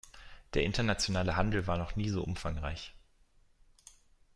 Der internationale Handel war noch nie so umfangreich.